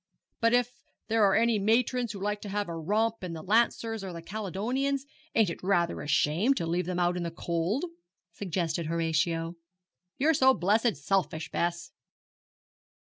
'But if there are any matrons who like to have a romp in the Lancers or the Caledonians, ain't it rather a shame to leave them out in the cold?' suggested Horatio. 'You're so blessed selfish, Bess.'